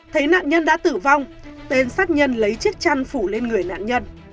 thấy nạn nhân đã tử vong tên sát nhân lấy chiếc chăn phủ lên người nạn nhân